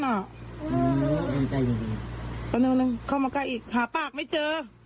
เดี๋ยวนึงเข้ามาใกล้อีกหาปากไม่เจอ